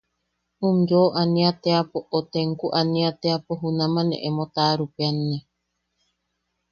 Um yoo ania teapo o tenku aniapo junama ne emo taʼarupeʼeanne.